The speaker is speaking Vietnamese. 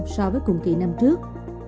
so với cùng kỳ năm trước